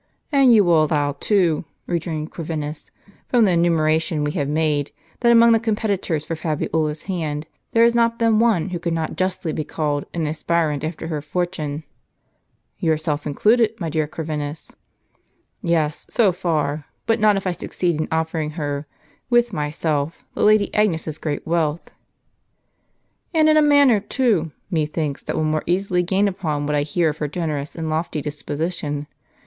"And you will allow, too," rejoined Corvinus, "from the enumeration we have made, that among the competitors for Fabiola's hand, there has not been one who could not justly be rather called an aspirant after her fortune." " Yourself included, my dear Corvinus." "Yes, so far: but not if I succeed in offering her, with myself, the lady Agnes' s great wealth." "And in a manner too, methinks, that will more easily gain upon what I hear of her generous and lofty disposition.